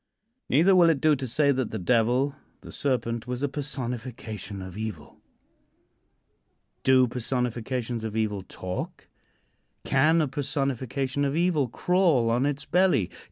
Neither will it do to say that the Devil the Serpent was a personification of evil. Do personifications of evil talk? Can a personification of evil crawl on its belly?